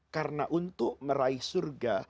karena untuk meraih surga